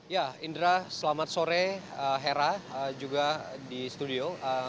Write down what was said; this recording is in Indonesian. ya indra selamat sore hera juga di studio